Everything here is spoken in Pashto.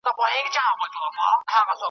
د همکارۍ وړانديز وکړ